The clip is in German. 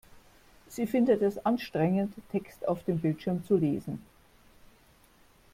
Sie findet es anstrengend, Text auf dem Bildschirm zu lesen.